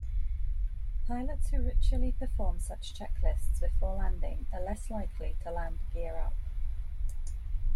Pilots who ritually perform such checklists before landing are less likely to land gear-up.